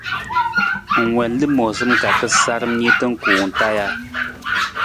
Ng wiin lamoosa ka tasaram niita kuwung taa ja?